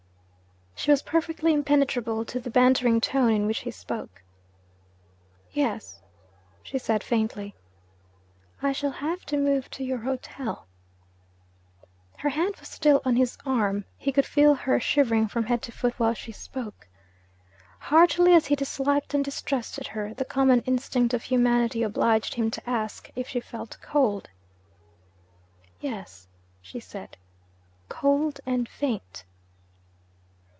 She was perfectly impenetrable to the bantering tone in which he spoke. 'Yes,' she said faintly, 'I shall have to move to your hotel.' Her hand was still on his arm he could feel her shivering from head to foot while she spoke. Heartily as he disliked and distrusted her, the common instinct of humanity obliged him to ask if she felt cold. 'Yes,' she said. 'Cold and faint.'